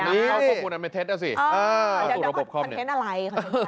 ค่ะพี่นี้เอาครูนั้นมาเทนต์ด้าสิเอ้าจะทำคอนเทนต์อะไร